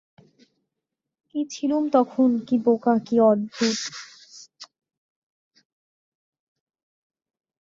কী ছিলুম তখন, কী বোকা, কী অদ্ভুত!